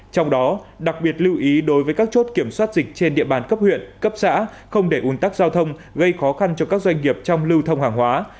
trong đó đặc biệt lưu ý đối với các chốt kiểm soát dịch trên địa bàn cấp huyện cấp xã không để ủn tắc giao thông gây khó khăn cho các doanh nghiệp trong lưu thông hàng hóa